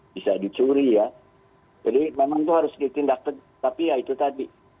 bisa dicuri ya jadi memang itu harus ditindak tapi ya itu tadi